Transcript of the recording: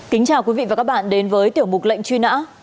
kính chào quý vị và các bạn đến với tiểu mục lệnh truy nã